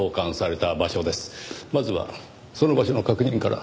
まずはその場所の確認から。